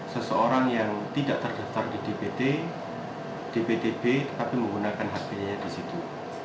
seseorang yang tidak terdaftar di dpt dptb tapi menggunakan hp nya di situ